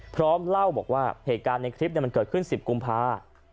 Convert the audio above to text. เล่าบอกว่าเหตุการณ์ในคลิปมันเกิดขึ้น๑๐กุมภา